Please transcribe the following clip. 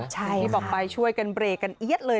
ใช่บอกไปช่วยกันเบรกกันเอี๊ยดเลย